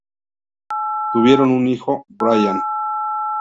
Tuvieron un hijo, Brian.